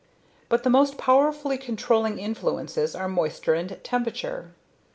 But the most powerfully controlling influences are moisture and temperature.